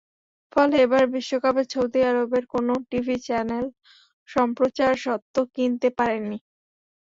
ফলে এবারের বিশ্বকাপে সৌদি আরবের কোনো টিভি চ্যানেল সম্প্রচার স্বত্ব কিনতে পারেনি।